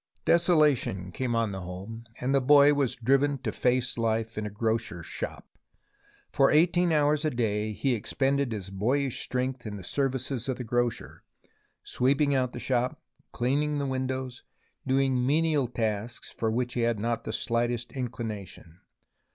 Desolation came on the home, and the boy was driven to face life in a grocer's shop. For eighteen hours a day he expended his boyish strength in the services of the grocer, sweeping out the shop, cleaning the windows, doing m.enial tasks for which he had not the slightest inclination.